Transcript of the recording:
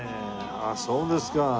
ああそうですか。